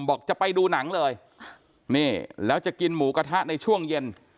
บอกจะไปดูหนังเลยนี่แล้วจะกินหมูกระทะในช่วงเย็น